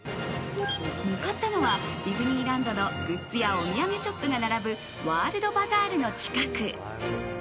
向かったのはディズニーランドのグッズやお土産ショップが並ぶワールドバザールの近く。